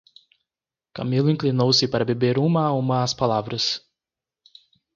Camilo inclinou-se para beber uma a uma as palavras.